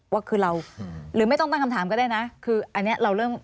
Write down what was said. ว่าคือเราหรือไม่ต้องตั้งคำถามก็ได้นะคืออันนี้เราเริ่ม